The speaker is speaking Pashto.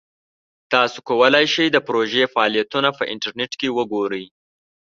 تاسو کولی شئ د پروژې فعالیتونه په انټرنیټ وګورئ.